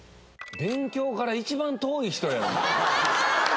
勉強から一番遠い人やん。